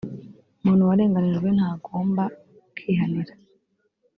“Umuntu warenganijwe ntagomba kwihanira